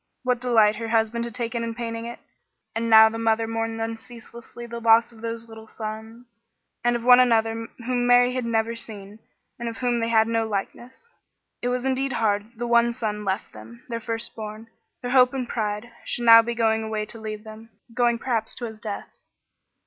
What delight her husband had taken in painting it! And now the mother mourned unceasingly the loss of those little sons, and of one other whom Mary had never seen, and of whom they had no likeness. It was indeed hard that the one son left them, their firstborn, their hope and pride, should now be going away to leave them, going perhaps to his death.